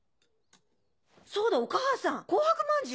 そうだお母さん紅白まんじゅう。